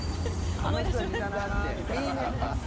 あの人たちいたなって。